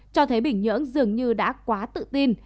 cho thấy bình nhưỡng dường như đã quá tự tin